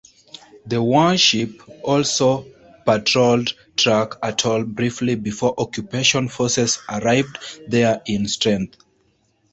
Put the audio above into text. The warship also patrolled Truk Atoll briefly before occupation forces arrived there in strength.